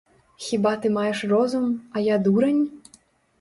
Хіба ты маеш розум, а я дурань?